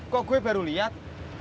kok gue baru lihat